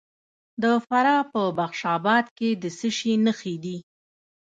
د فراه په بخش اباد کې د څه شي نښې دي؟